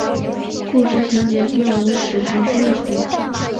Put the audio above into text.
故事情节并无史实基础。